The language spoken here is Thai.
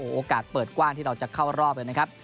โอกาสเปิดกว้างที่เราจะเข้ารอบเลยนะครับ